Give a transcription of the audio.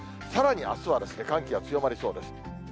さらにあすは、寒気が強まりそうです。